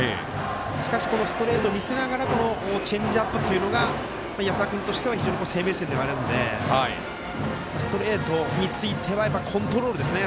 しかし、ストレートを見せながらチェンジアップというのが安田君としては生命線ではあるのでストレートについてはコントロールですね。